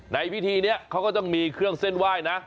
ในพิธีนี้เขาก็ต้องมีเครื่องเส้นไหว้นะ